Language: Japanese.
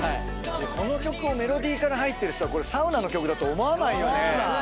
この曲をメロディーから入ってる人はサウナの曲だと思わないよね。